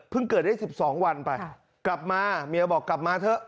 เกิดได้๑๒วันไปกลับมาเมียบอกกลับมาเถอะ